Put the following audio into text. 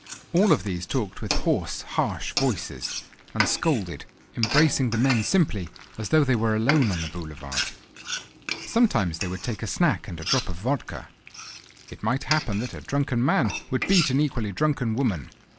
All of these talked with hoarse, harsh voices; and scolded, embracing the men as simply as though they were alone on the boulevard. Sometimes they would take a snack and a drop of vodka. It might happen that a drunken man would beat an equally drunken woman.